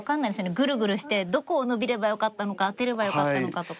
グルグルしてどこをノビればよかったのかアテればよかったのかとか。